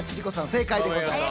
正解でございます。